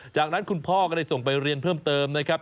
จากนั้นคุณพ่อก็ได้ส่งไปเรียนเพิ่มเติมนะครับ